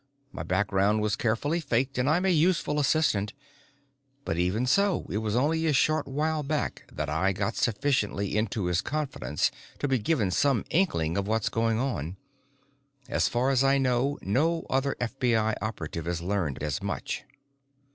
My background was carefully faked and I'm a useful assistant. But even so it was only a short while back that I got sufficiently into his confidence to be given some inkling of what's going on. As far as I know no other FBI operative has learned as much."